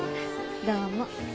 どうも。